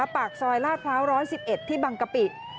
ปากซอยลาดพร้าว๑๑๑ที่บังกะปิ